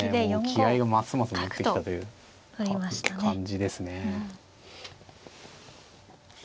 気合いがますます乗ってきたという感じですね。